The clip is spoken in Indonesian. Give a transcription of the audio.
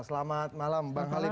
selamat malam bang halim